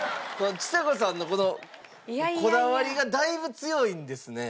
ちさ子さんのこのこだわりがだいぶ強いんですね。